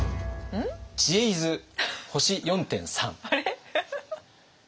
「知恵泉星４．３」。